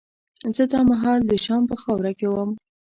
زه دا مهال د شام په خاوره کې وم.